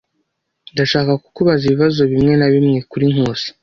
Ndashaka kukubaza ibibazo bimwe na bimwe kuri Nkusi.